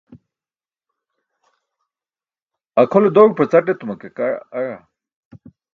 akʰole doẏpa c̣aṭ etuma ke aẏa